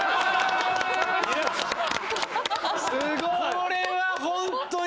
これは本当に！